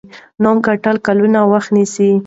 نوم ګټل کلونه وخت نیسي.